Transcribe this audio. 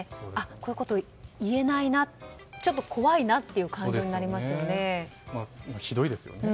こういうことを言えないなとちょっと怖いなっていうひどいですよね。